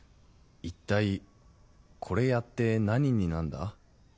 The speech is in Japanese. いったいこれやって何になんだ？